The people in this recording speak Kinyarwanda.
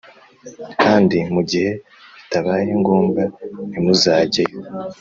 kandi mu gihe bitabaye ngombwa ntimuzageyo